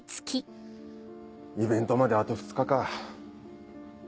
イベントまであと２日か。